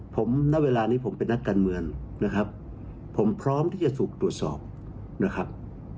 ผมณเวลานี้ผมเป็นนักการเมืองนะครับผมพร้อมที่จะถูกตรวจสอบนะครับ